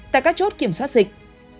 tại các chốt kiểm soát dịch